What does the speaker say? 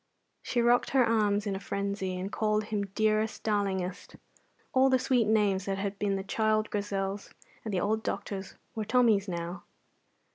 She rocked her arms in a frenzy, and called him dearest, darlingest. All the sweet names that had been the child Grizel's and the old doctor's were Tommy's now.